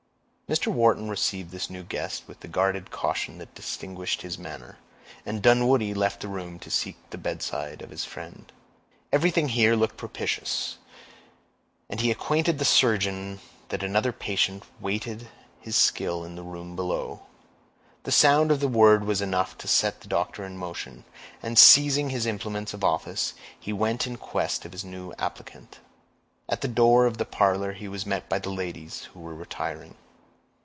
Mr. Wharton received this new guest with the guarded caution that distinguished his manner, and Dunwoodie left the room to seek the bedside of his friend. Everything here looked propitious, and he acquainted the surgeon that another patient waited his skill in the room below. The sound of the word was enough to set the doctor in motion, and seizing his implements of office, he went in quest of this new applicant. At the door of the parlor he was met by the ladies, who were retiring.